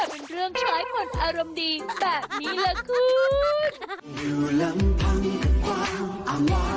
แต่เป็นเรื่องใช้ผลอารมณ์ดีแบบนี้ล่ะคุณ